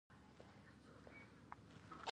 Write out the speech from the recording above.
هغه پر کرامت له حکم کولو لاس نه اخلي.